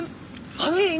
はい。